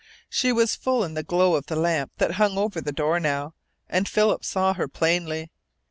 She was full in the glow of the lamp that hung over the door now, and Philip saw her plainly.